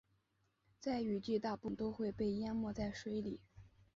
在雨季大部分都会被淹没在水里。